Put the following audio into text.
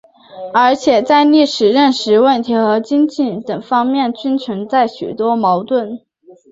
而且在历史认识问题和经济等方面均存在许多矛盾。